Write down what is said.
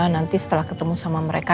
nanti setelah ketemu sama mereka